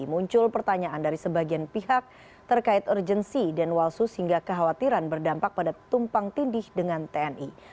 muncul pertanyaan dari sebagian pihak terkait urgensi denwalsus hingga kekhawatiran berdampak pada tumpang tindih dengan tni